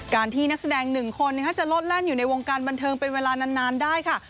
การที่นักแสดง๑คนจะลดแล่นอยู่ในวงการบันเทิงเป็นเวลานานได้ค่ะ